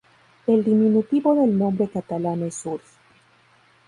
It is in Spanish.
El diminutivo del nombre catalán es Uri.